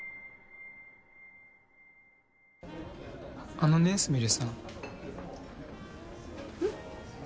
あのねスミレさんうん？